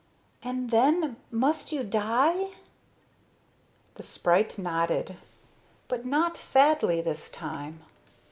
"And then must you die?" The sprite nodded, but not sadly this time.